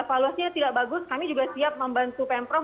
dan kalau hasilnya tidak bagus kami juga siap membantu pemprov